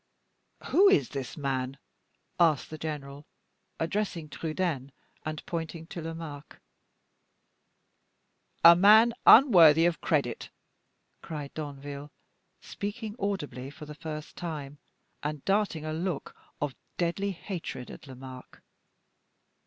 "Who is this man?" asked the general, addressing Trudaine, and pointing to Lomaque. "A man unworthy of credit," cried Danville, speaking audibly for the first time, and darting a look of deadly hatred at Lomaque.